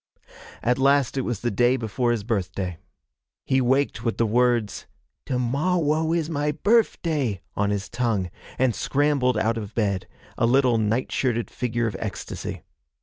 At last it was the day before his birthday. He waked with the words, 'To mowwow is my birfday,' on his tongue, and scrambled out of bed, a little night shirted figure of ecstasy.